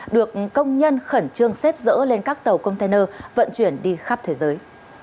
được công nhân khẩn trương xếp dỡ lên các tàu container vận chuyển đi khắp thế giới